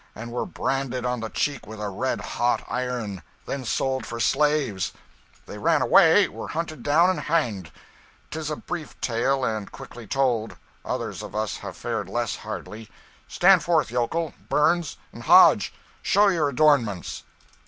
and were branded on the cheek with a red hot iron, then sold for slaves; they ran away, were hunted down, and hanged. 'Tis a brief tale, and quickly told. Others of us have fared less hardly. Stand forth, Yokel, Burns, and Hodge show your adornments!"